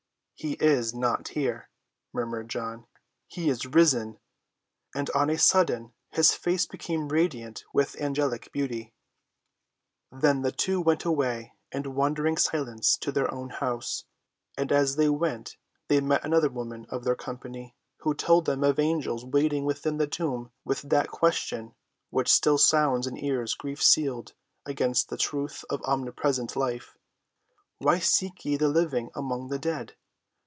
"He is not here," murmured John, "he is risen!" And on a sudden his face became radiant with angelic beauty. Then the two went away in wondering silence to their own house, and as they went they met other women of their company who told them of angels waiting within the tomb with that question which still sounds in ears grief‐sealed against the truth of Omnipresent Life: "Why seek ye the living among the dead?